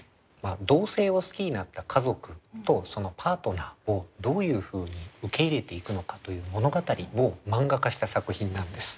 同性を好きになった家族とそのパートナーをどういうふうに受け入れていくのかという物語をマンガ化した作品なんです。